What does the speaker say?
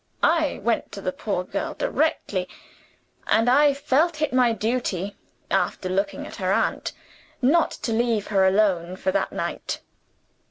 I went to the poor girl directly and I felt it my duty, after looking at her aunt, not to leave her alone for that night.